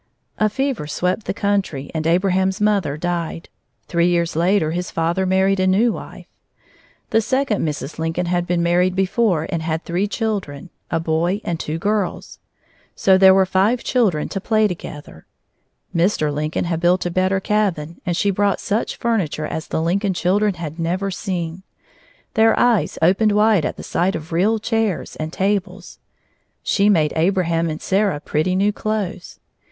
A fever swept the country, and Abraham's mother died. Three years later his father married a new wife. The second Mrs. Lincoln had been married before and had three children, a boy and two girls. So there were five children to play together. Mr. Lincoln had built a better cabin, and she brought such furniture as the Lincoln children had never seen. Their eyes opened wide at the sight of real chairs and tables. She made Abraham and Sarah pretty new clothes.